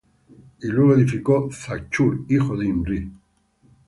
y luego edificó Zachûr hijo de Imri.